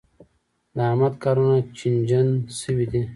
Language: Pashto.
د احمد کارونه چينجن شوي دي.